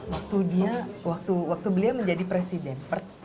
waktu dia waktu beliau menjadi presiden